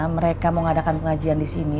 mereka mau ngadakan pengajian disini